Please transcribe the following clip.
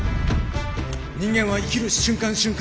人間は生きる瞬間